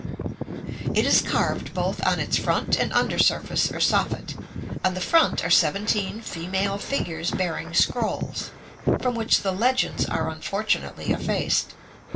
It is carved both on its front and under surface or soffit; on the front are seventeen female figures bearing scrolls, from which the legends are unfortunately effaced.